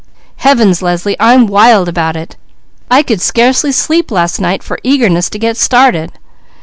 Heavens Leslie, I'm wild about it. I could scarcely sleep last night for eagerness to get started.